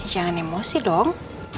jangan emosi dong